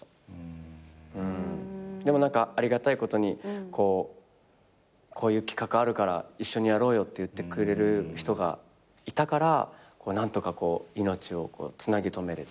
でもありがたいことに「こういう企画あるから一緒にやろうよ」って言ってくれる人がいたから何とか命をつなぎ留めれた。